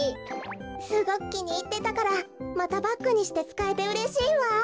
すごくきにいってたからまたバッグにしてつかえてうれしいわ！